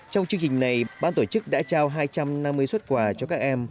trong chương trình này ban tổ chức đã trao hai trăm năm mươi xuất quà cho các em